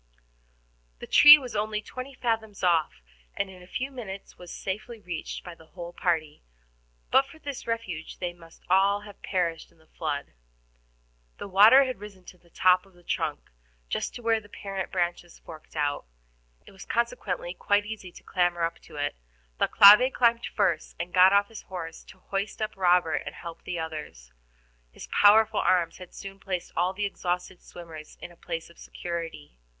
The tree was only twenty fathoms off, and in a few minutes was safely reached by the whole party; but for this refuge they must all have perished in the flood. The water had risen to the top of the trunk, just to where the parent branches fork out. It was consequently, quite easy to clamber up to it. Thalcave climbed up first, and got off his horse to hoist up Robert and help the others. His powerful arms had soon placed all the exhausted swimmers in a place of security.